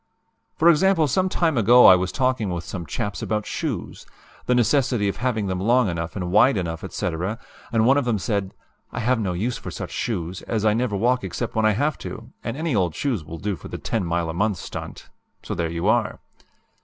"For example, some time ago I was talking with some chaps about shoes the necessity of having them long enough and wide enough, etc., and one of them said: 'I have no use for such shoes, as I never walk except when I have to, and any old shoes do for the 10 mile a month stunt,' so there you are!